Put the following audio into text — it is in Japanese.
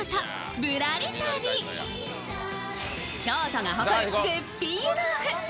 京都が誇る絶品湯豆腐